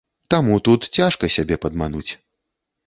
Таму тут цяжка сябе падмануць.